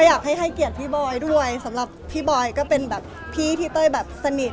อยากให้ให้เกียรติพี่บอยด้วยสำหรับพี่บอยก็เป็นแบบพี่ที่เต้ยแบบสนิท